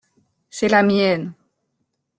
C’est la mienne.